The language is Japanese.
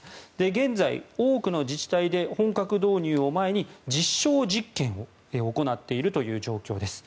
現在、多くの自治体で本格導入を前に実証実験を行っているという状況です。